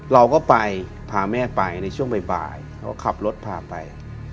เราก็ไปพาแม่ไปในช่วงบ่ายเขาขับรถพาไป